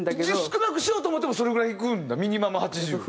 少なくしようと思ってもそれぐらいいくんだミニマム８０。